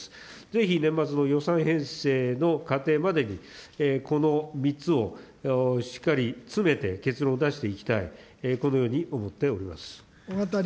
ぜひ年末の予算編成の過程までに、この３つをしっかり詰めて、結論を出していきたい、このように思っております。